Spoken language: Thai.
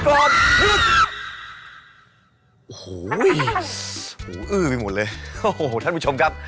โอ้โฮท่านผู้ชมครับ